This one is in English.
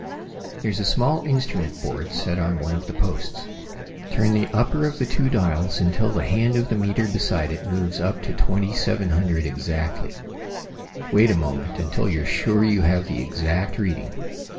There's a small instrument board set on one of the posts. Turn the upper of the two dials until the hand of the meter beside it moves up to 2700 exactly. Wait a moment, until you're sure you have the exact reading.